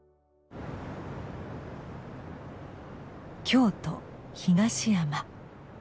京都東山。